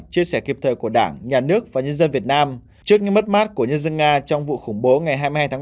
chia sẻ kiệp thời của đảng nhà nước và nhân dân việt nam trước những mất mát của nhân dân nga trong vụ khủng bố ngày hai mươi hai ba hai nghìn hai mươi bốn